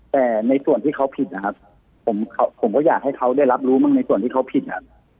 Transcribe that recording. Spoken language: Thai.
แต่ในส่วนที่เขาผิดนะครับผมก็อยากให้เขาได้รับรู้บ้างในส่วนที่เขาผิดอ่ะ